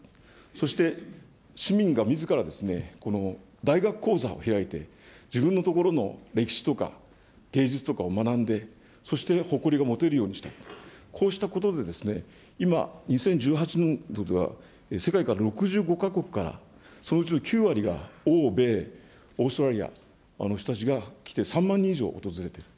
そして市民がみずから大学講座を開いて、自分のところの歴史とか、芸術とかを学んで、そして誇りが持てるようにして、こうしたことで、今、２０１８年度では世界からか国から、そのうちの９割が欧米、オーストリアの人たちが来て３万人以上訪れている。